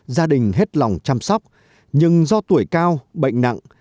gia đình hết lòng chăm sóc nhưng do tuổi cao bệnh nặng